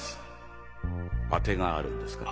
当てがあるんですか？